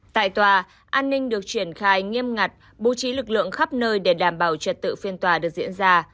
tại tòa an ninh được triển khai nghiêm ngặt bố trí lực lượng khắp nơi để đảm bảo trật tự phiên tòa được diễn ra